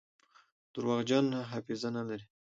درواغجن حافظه نلري.